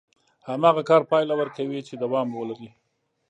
هماغه کار پايله ورکوي چې دوام ولري.